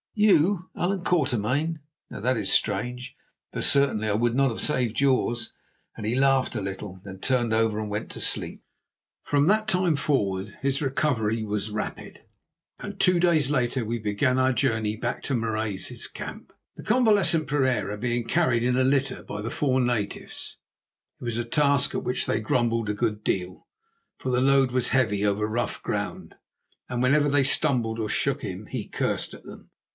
"You, Allan Quatermain! Now, that is strange, for certainly I would not have saved yours," and he laughed a little, then turned over and went to sleep. From that time forward his recovery was rapid, and two days later we began our journey back to Marais's camp, the convalescent Pereira being carried in a litter by the four natives. It was a task at which they grumbled a good deal, for the load was heavy over rough ground, and whenever they stumbled or shook him he cursed at them.